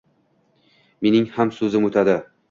Mening ham so‘zim o‘tadi.